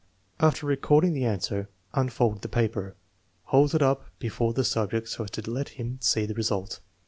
After recording the answer, unfold the paper, hold it up before the subject so as to let him see the result.